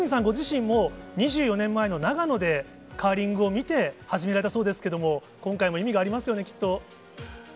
ご自身も、２４年前の長野でカーリングを見て、始められたそうですけども、今回も意味がありますよね、きっと。